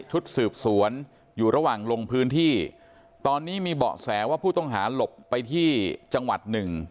ชุดสืบสวนอยู่ระหว่างลงพื้นที่ตอนนี้มีเบาะแสว่าผู้ต้องหาหลบไปที่จังหวัดหนึ่ง